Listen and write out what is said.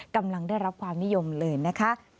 กำลังได้รับความนิยมเลยนะคะ